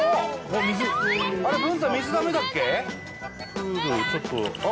プールちょっとあっ！